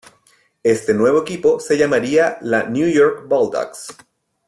Este nuevo equipo se llamaría la New York Bulldogs.